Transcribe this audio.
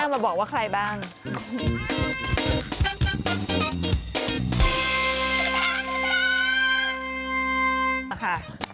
มาค่ะ